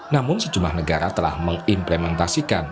namun sejumlah negara telah mengimplementasikan